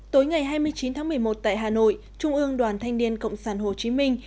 tối ngày hai mươi chín tháng một mươi một tại hà nội trung ương đoàn thanh niên cộng sản hồ chí minh